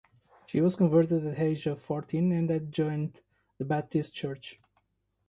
She was converted at the age of fourteen and joined the Baptist Church.